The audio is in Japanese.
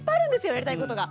やりたいことが。